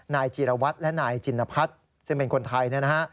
นายจีรวัตรและนายจินพัฒน์ซึ่งเป็นคนไทยเนี่ยนะฮะ